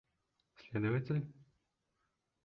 Следователь?